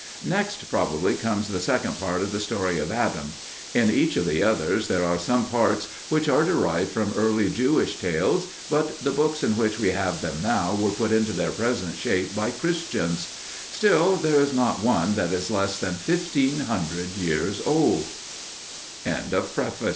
Next, probably, comes the second part of the story of Adam. In each of the others there are some parts which are derived from early Jewish tales, but the books in which we have them now were put into their present shape by Christians. Still, there is not one that is less than fifteen hundred years old. CONTENTS PAGE ADAM 1 THE DEATH OF ADAM AND EVE